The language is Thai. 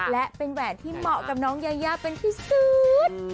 และเป็นแหวนที่เหมาะกับน้องยายาเป็นที่สุด